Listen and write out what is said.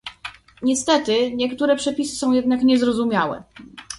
Niestety, niektóre przepisy są jednak niezrozumiałe